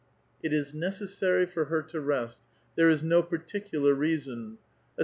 *' It is necessary for her to rest ; there is no particular reason." A str.